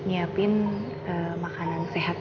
nyiapin makanan sehat